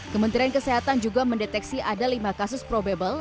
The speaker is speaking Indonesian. kementerian kesehatan juga mendeteksi ada lima kasus probable